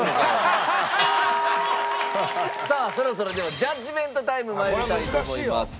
さあそろそろではジャッジメントタイムまいりたいと思います。